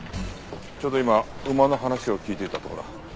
ちょうど今馬の話を聞いていたとこだ。